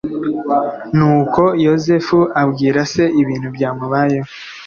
nuko yozefu abwira se ibintu byamubayeho